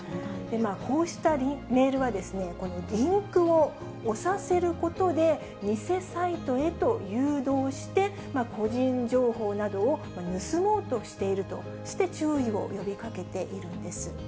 こうしたメールは、リンクを押させることで、偽サイトへと誘導して、個人情報などを盗もうとしているとして、注意を呼びかけているんです。